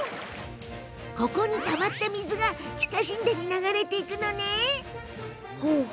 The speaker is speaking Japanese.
ここにたまった水が地下神殿に流れていくのね。